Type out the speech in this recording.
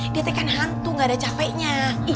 dia tekan hantu gak ada capeknya